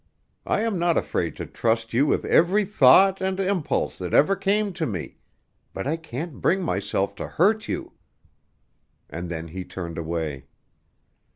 I am not afraid to trust you with every thought and impulse that ever came to me, but I can't bring myself to hurt you," and then he turned away.